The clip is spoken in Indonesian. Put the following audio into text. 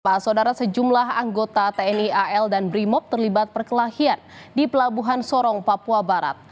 pak saudara sejumlah anggota tni al dan brimob terlibat perkelahian di pelabuhan sorong papua barat